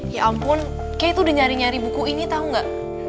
ya ampun kay tuh udah nyari nyari buku ini tau gak